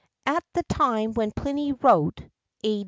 [XII 62] At the time when Pliny wrote (A.